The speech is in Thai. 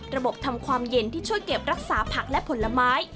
ระบบทำความเย็นที่ช่วยเก็บรักษาผักและผลไม้